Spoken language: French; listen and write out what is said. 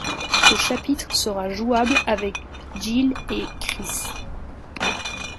Ce chapitre sera jouable avec Jill et Chris.